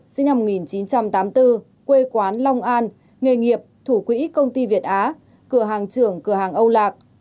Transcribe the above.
sinh năm một nghìn chín trăm tám mươi bốn quê quán long an nghề nghiệp thủ quỹ công ty việt á cửa hàng trưởng cửa hàng âu lạc